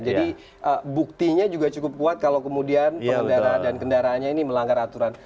jadi buktinya juga cukup kuat kalau kemudian pengendara dan kendaraannya ini melanggar aturan